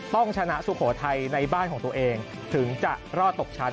ต้องชนะสุโขทัยในบ้านของตัวเองถึงจะรอดตกชั้น